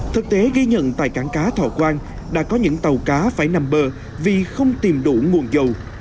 thực tế ghi nhận tại cảng cá thọ quang đã có những tàu cá phải nằm bờ vì không tìm đủ nguồn dầu